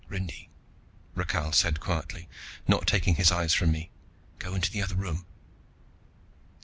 "Rindy," Rakhal said quietly, not taking his eyes from me. "Go into the other room."